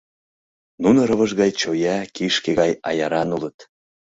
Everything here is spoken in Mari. — Нуно рывыж гай чоя, кишке гай аяран улыт.